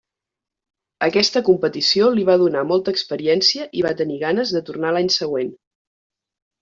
Aquesta competició li va donar molta experiència i va tenir ganes de tornar l'any següent.